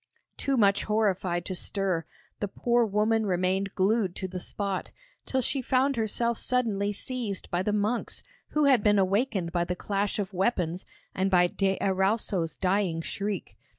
Too much horrified to stir, the poor woman remained glued to the spot, till she found herself suddenly seized by the monks who had been awakened by the clash of weapons and by de Erauso's dying shriek.